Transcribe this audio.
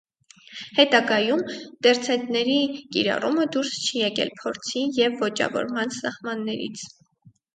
Հետագայում տերցետների կիրառումը դուրս չի եկել փորձի և ոճավորման սահմաններից։